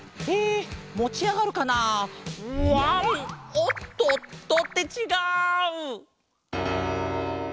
おっとっと。ってちがう！